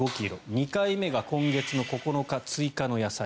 ２回目が今月９日、追加の野菜。